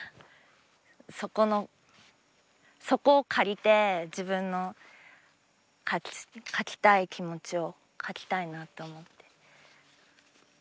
そこのそこを借りて自分の描きたい気持ちを描きたいなって思って。